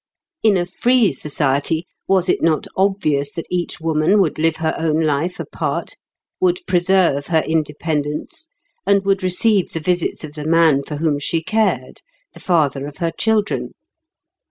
In a free society, was it not obvious that each woman would live her own life apart, would preserve her independence, and would receive the visits of the man for whom she cared—the father of her children?